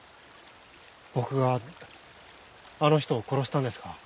僕があの人を殺したんですか？